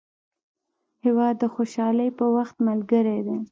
هېواد د خوشحالۍ په وخت ملګری دی.